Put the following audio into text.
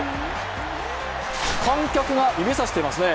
観客が指差していますね。